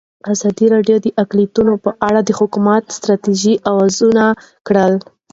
ازادي راډیو د اقلیتونه په اړه د حکومتي ستراتیژۍ ارزونه کړې.